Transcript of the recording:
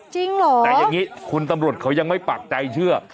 จริงเหรอแต่อย่างนี้คุณตำรวจเขายังไม่ปากใจเชื่อ